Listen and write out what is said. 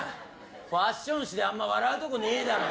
ファッション誌であんま笑うとこねえだろ。